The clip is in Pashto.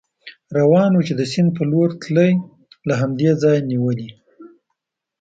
روان و، چې د سیند په لور تلی، له همدې ځایه نېولې.